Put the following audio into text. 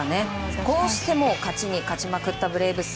こうして勝ちに勝ちまくったブレーブス。